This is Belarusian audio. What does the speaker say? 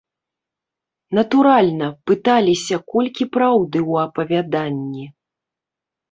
Натуральна, пыталіся колькі праўды ў апавяданні.